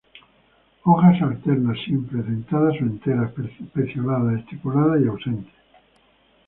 Hojas alternas, simples, dentadas o enteras; pecioladas, estípulas ausentes.